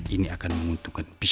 ini akan menguntungkan bisnis